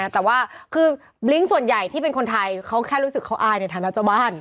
แต่ว่าคือบลิ้งส่วนใหญ่ที่เป็นคนไทยเขาแค่รู้สึกเขาอายในฐานะเจ้าบ้าน